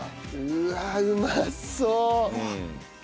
うわあうまそう！